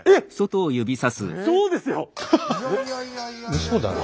うそだろ？